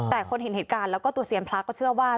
แต่คนเห็นเหตุการณ์แล้วก็ตัวเซียนพระก็เชื่อว่า